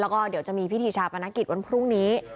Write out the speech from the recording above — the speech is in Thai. แล้วก็เดี๋ยวจะมีพิธีชาปนกิจวันพรุ่งนี้